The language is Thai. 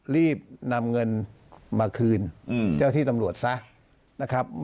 รีบนำเงินมาคืนเจ้าที่ตำรวจซะนะครับ